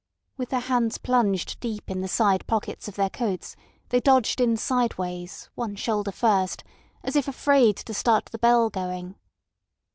With their hands plunged deep in the side pockets of their coats, they dodged in sideways, one shoulder first, as if afraid to start the bell going.